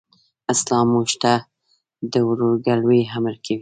اسلام موږ ته د ورورګلوئ امر کوي.